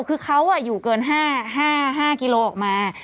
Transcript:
คือเขาอยู่เกิน๕กิโลออกมา